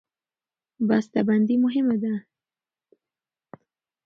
بسته بندي مهمه ده.